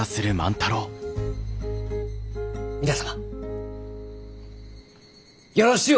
皆様よろしゅう